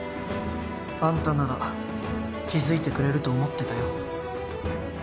あんたなら気付いてくれると思ってたよ。